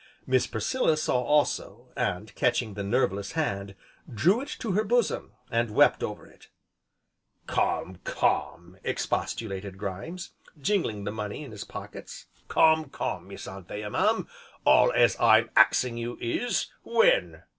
Miss Priscilla saw also, and catching the nerveless hand, drew it to her bosom, and wept over it. "Come! come!" expostulated Grimes, jingling the money in his pockets. "Come, come, Miss Anthea, mam! all as I'm axing you is when?